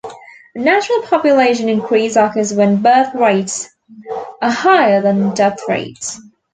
A natural population increase occurs when birth rates are higher than death rates.